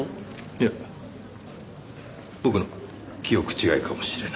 いや僕の記憶違いかもしれない。